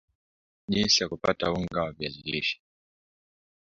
Jinsi ya kupata unga wa viazi lishe